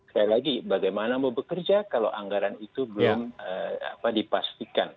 sekali lagi bagaimana mau bekerja kalau anggaran itu belum dipastikan